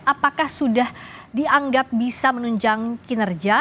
apakah sudah dianggap bisa menunjang kinerja